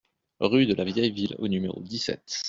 Rue de la Vieille Ville au numéro dix-sept